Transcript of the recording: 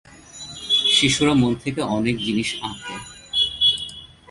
শিশুরা মন থেকে অনেক জিনিস আঁকে।